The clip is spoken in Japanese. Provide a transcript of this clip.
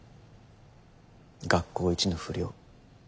学校一の不良。